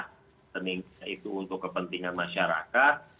rekeningnya itu untuk kepentingan masyarakat